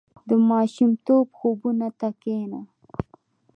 • د ماشومتوب خوبونو ته کښېنه.